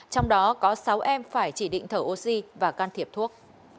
trong đó có sáu em phải chỉ định thở oxy và can thiệp thuốc